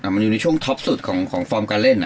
มันอยู่ในช่วงท็อปสุดของฟอร์มการเล่น